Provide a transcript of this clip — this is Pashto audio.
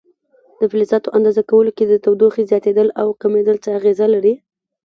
په فلزاتو اندازه کولو کې د تودوخې زیاتېدل او کمېدل څه اغېزه لري؟